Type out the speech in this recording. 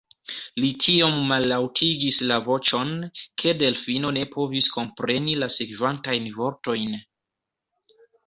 Li tiom mallaŭtigis la voĉon, ke Delfino ne povis kompreni la sekvantajn vortojn.